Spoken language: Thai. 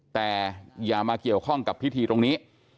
แต่อย่ามาเกี่ยวข้องกับพิธีตรงนี้